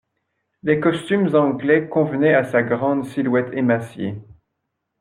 Les costumes anglais convenaient à sa grande silhouette émaciée.